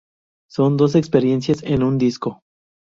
Son dos experiencias en un disco.